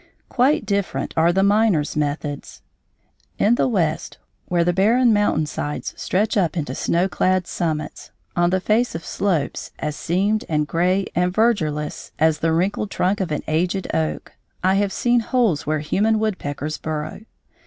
Quite different are the miner's methods. In the West, where the barren mountain sides stretch up into snowclad summits, on the face of slopes as seamed and gray and verdureless as the wrinkled trunk of an aged oak, I have seen holes where human woodpeckers burrow.